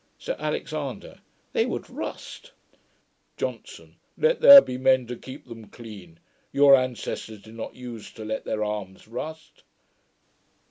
SIR ALEXANDER. 'They would rust.' JOHNSON. 'Let there be men to keep them clean. Your ancestors did not use to let their arms rust.'